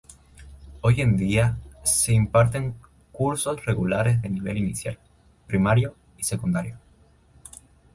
Hoy en día se imparten cursos regulares de nivel inicial, primario y secundario.